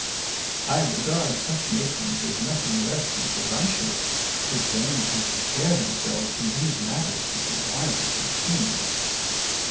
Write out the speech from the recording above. I regard such matrons as nothing less than presumptuous who claim to compare themselves in these matters with the wisest of kings.